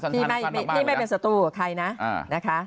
ที่ไม่เป็นสตูกับใครนะ